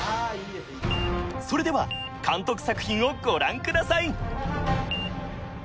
それでは監督作品をご覧ください